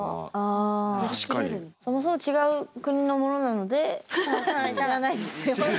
そもそも違う国の者なので知らないですよって。